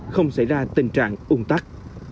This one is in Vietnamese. không xảy ra tình trạng ung tắc